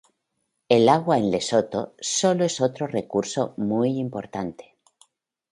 El agua en Lesoto solo es otro recurso muy importante.